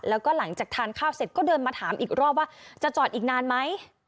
แล้วก็หลังจากทานข้าวเสร็จก็เดินมาถามอีกรอบว่าจะจอดอีกนานไหม